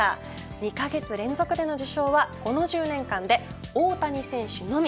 ２カ月連続での受賞はこの１０年間で大谷選手のみ。